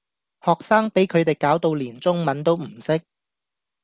學生比佢地攪到連中文都唔識